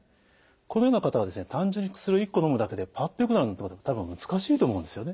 このような方は単純に薬を１個のむだけでパッとよくなるなんてことは多分難しいと思うんですよね。